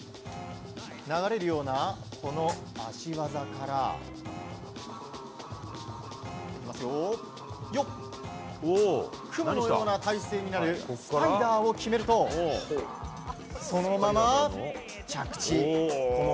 流れるような足技からクモのような体勢になるスパイダーを決めるとそのまま着地。